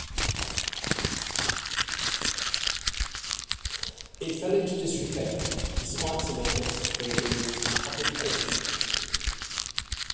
It fell into disrepair, despite some efforts to bring it into public ownership.